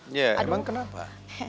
iya emang kenapa